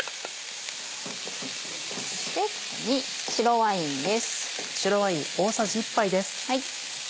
そしてここに白ワインです。